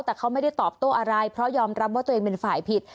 แต่เขาไม่ได้ตอบโต้อะไรเพราะยอมรับว่าตัวเองเป็นฝ่ายผิด